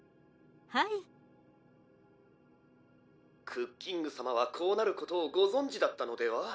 はい「クッキングさまはこうなることをごぞんじだったのでは？」